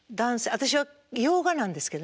私は洋画なんですけどね